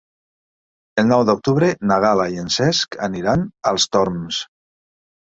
El nou d'octubre na Gal·la i en Cesc aniran als Torms.